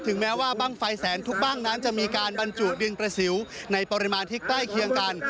แม้ว่าบ้างไฟแสนทุกบ้างนั้นจะมีการบรรจุดึงประสิวในปริมาณที่ใกล้เคียงกัน